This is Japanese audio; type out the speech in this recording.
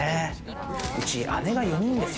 うち姉が４人です。